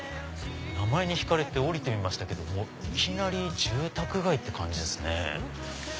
名前に引かれて降りてみたけどいきなり住宅街って感じですね。